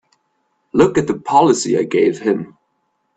Look at the policy I gave him!